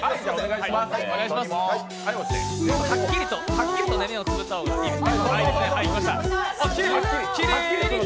はっきりと目をつぶった方がいいです。